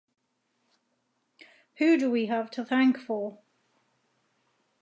Who do we have to thank for?